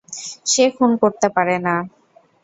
সে খুন করতে পারে না।